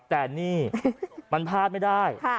แต่นี่มันพลาดไม่ได้